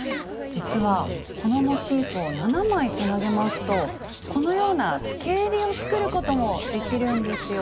実はこのモチーフを７枚つなげますとこのようなつけえりを作ることもできるんですよ。